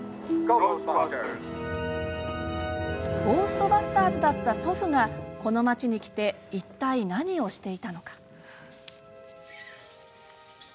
ゴーストバズターズだった祖父がこの町に来ていったい何をしていたのか。